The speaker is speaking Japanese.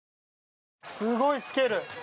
すごいスケール。